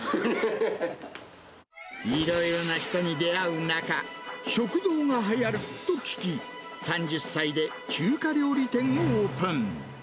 いろいろな人に出会う中、食堂がはやると聞き、３０歳で中華料理店をオープン。